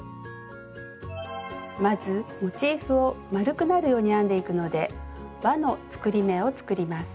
まずモチーフをまるくなるように編んでいくので「わの作り目」を作ります。